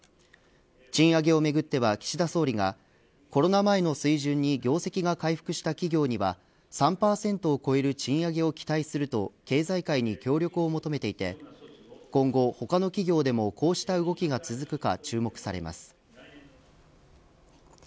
賃上げをめぐっては岸田総理がコロナ前の水準に業績が回復した企業には３％を超える賃上げを期待すると経済界に協力を求めていて今後、他の企業でもこうした動きが続くか